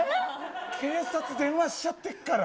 警察電話しちゃってっから。